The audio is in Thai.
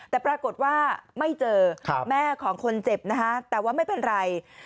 แต่ปรากฏว่าไม่เจอแม่ของคนเจ็บนะคะแต่ว่าไม่เป็นไร